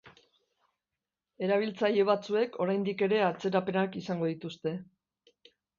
Erabiltzaile batzuek oraindik ere atzerapenak izango dituzte.